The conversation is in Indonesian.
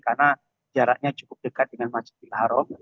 karena jaraknya cukup dekat dengan masjid bilharom